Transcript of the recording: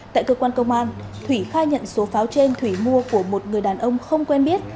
tại cơ quan công an thủy khai nhận số pháo trên thủy mua của một người đàn ông không quen biết